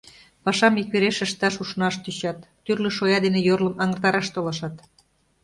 Пашам иквереш ышташ ушнаш тӧчат, тӱрлӧ шоя дене йорлым аҥыртараш толашат.